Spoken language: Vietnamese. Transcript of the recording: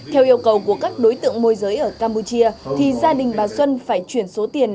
theo yêu cầu của các đối tượng môi giới ở campuchia thì gia đình bà xuân phải chuyển số tiền